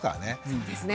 そうですね。